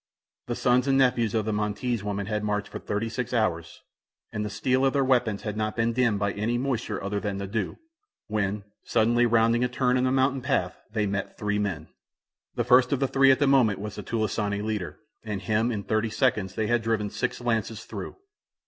The sons and nephews of the Montese woman had marched for thirty six hours, and the steel of their weapons had not been dimmed by any moisture other than the dew, when, suddenly rounding a turn in the mountain path, they met three men. The first of the three at that moment was the "tulisane" leader, and him, in thirty seconds, they had driven six lances through.